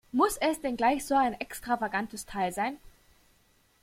Muss es denn gleich so ein extravagantes Teil sein?